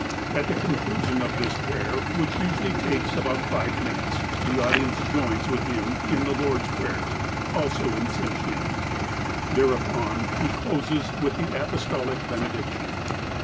At the conclusion of this jDrayer, which usually takes about five minutes, the audience joins with him in the Lord's Prayer, also in Tsimshean. Thereupon, he closes with the Apostolic benediction.